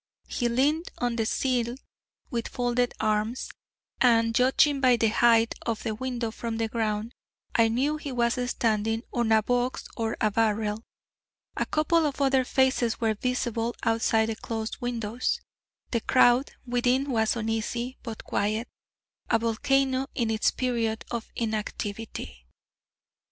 He leaned on the sill with folded arms, and, judging by the height of the window from the ground, I knew he was standing on a box or a barrel. A couple of other faces were visible outside the closed windows. The crowd within was uneasy, but quiet a volcano in its period of inactivity.